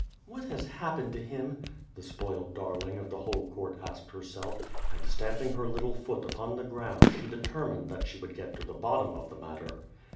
" "What has happened to him," the spoiled darling of the whole court asked herself, and stamping her little foot upon the groimd she doteiinined that she would get to the bottom of the matter.